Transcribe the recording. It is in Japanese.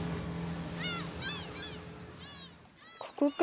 ここか。